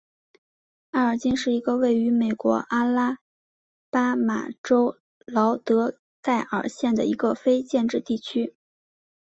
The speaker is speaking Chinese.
埃尔金是一个位于美国阿拉巴马州劳德代尔县的非建制地区。